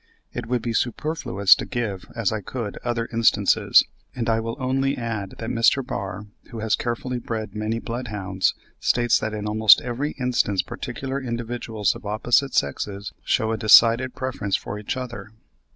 It would be superfluous to give, as I could, other instances, and I will only add that Mr. Barr, who has carefully bred many bloodhounds, states that in almost every instance particular individuals of opposite sexes shew a decided preference for each other.